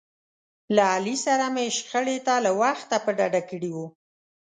له علي سره مې شخړې ته له وخته په ډډه کړي و.